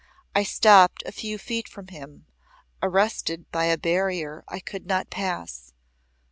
I stopped a few feet from him, arrested by a barrier I could not pass.